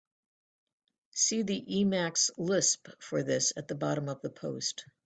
See the Emacs lisp for this at the bottom of the post.